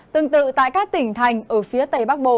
tương tự tại các tỉnh thành ở phía tây bắc bộ